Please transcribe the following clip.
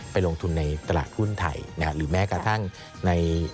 ไปลงทุนในตลาดหุ้นไทยหรือแม้กระทั่งใน